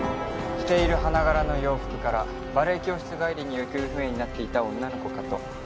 着ている花柄の洋服からバレエ教室帰りに行方不明になっていた女の子かと。